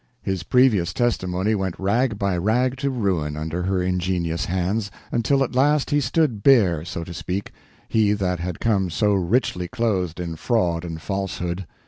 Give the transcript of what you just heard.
His previous testimony went rag by rag to ruin under her ingenious hands, until at last he stood bare, so to speak, he that had come so richly clothed in fraud and falsehood.